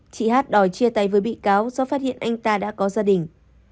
chị hát đòi chia tay với bị cáo do phát hiện anh ta đã có gia đình